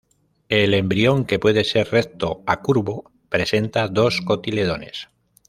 El embrión, que puede ser recto a curvo, presenta dos cotiledones.